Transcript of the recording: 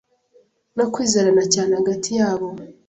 no kwizerana cyane hagati yabo.